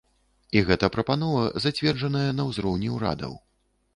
І гэта прапанова зацверджаная на ўзроўні ўрадаў.